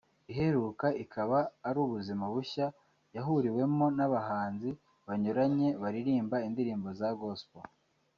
Iheruka ikaba ari Ubuzima bushya yahuriwemo n'abahanzi banyuranye baririmba indirimbo za Gospel